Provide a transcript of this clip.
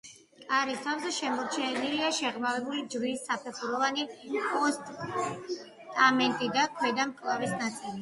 კარის თავზე, შემორჩენილია შეღრმავებული ჯვრის საფეხუროვანი პოსტამენტი და ქვედა მკლავის ნაწილი.